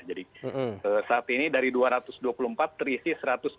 jadi saat ini dari dua ratus dua puluh empat terisi satu ratus tiga puluh enam